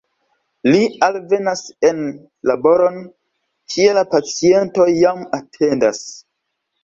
Li alvenas en laboron, kie la pacientoj jam atendas.